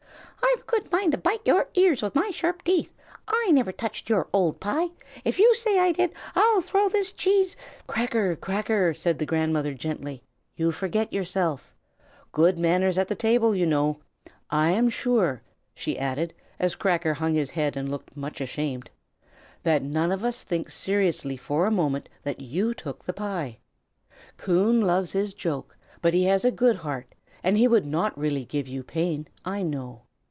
"I've a good mind to bite your ears with my sharp teeth. I never touched your old pie. If you say I did, I'll throw this cheese " "Cracker! Cracker!" said the grandmother, gently, "you forget yourself! Good manners at table, you know. I am sure," she added, as Cracker hung his head and looked much ashamed, "that none of us think seriously for a moment that you took the pie. Coon loves his joke; but he has a good heart, and he would not really give you pain, I know.